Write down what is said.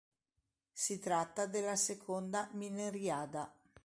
Si tratta della seconda mineriada.